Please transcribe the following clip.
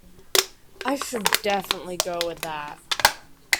I should definitely go with that.